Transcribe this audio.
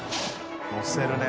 のせるね。